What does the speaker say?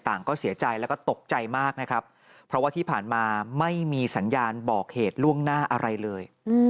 ก็เสียใจแล้วก็ตกใจมากนะครับเพราะว่าที่ผ่านมาไม่มีสัญญาณบอกเหตุล่วงหน้าอะไรเลย